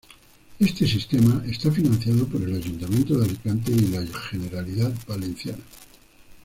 Este sistema está financiado por el Ayuntamiento de Alicante y la Generalidad Valenciana.